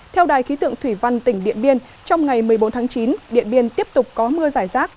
theo đài khí tượng thủy văn tỉnh điện biên trong ngày một mươi bốn tháng chín điện biên tiếp tục có mưa giải rác